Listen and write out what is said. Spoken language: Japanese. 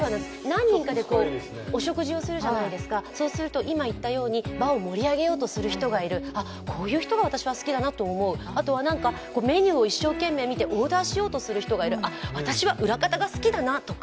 何人かでお食事をするじゃないですか、今言ったように場を盛り上げようとする人がいる、あっ、こういう人が私は好きだなと思うあとは、メニューを一生懸命見てオーダーしようとする人がいる、私は裏方が好きだなと。